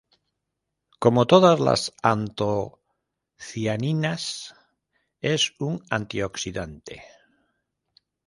Como todas las antocianinas, es un antioxidante.